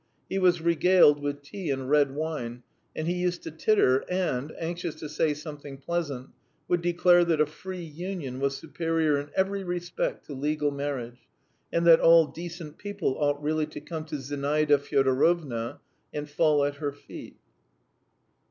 He was regaled with tea and red wine, and he used to titter and, anxious to say something pleasant, would declare that a free union was superior in every respect to legal marriage, and that all decent people ought really to come to Zinaida Fyodorovna and fall at her feet.